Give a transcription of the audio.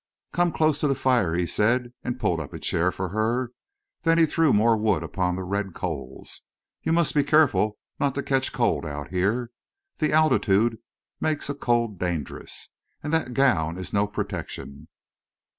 "Come close to the fire," he said, and pulled up a chair for her. Then he threw more wood upon the red coals. "You must be careful not to catch cold out here. The altitude makes a cold dangerous. And that gown is no protection."